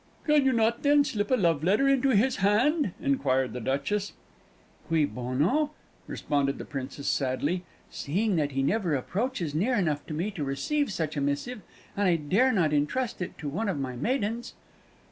"Can you not then slip a love letter into his hand?" inquired the Duchess. "Cui bono?" responded the Princess, sadly. "Seeing that he never approaches near enough to me to receive such a missive, and I dare not entrust it to one of my maidens!"